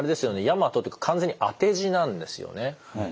「夜麻登」って完全に当て字なんですよね。